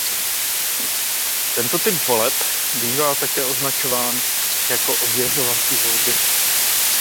Tento typ voleb bývá také označován jako ověřovací volby.